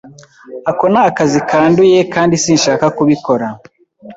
Ako ni akazi kanduye kandi sinshaka kubikora.